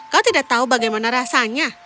kau tidak tahu bagaimana rasanya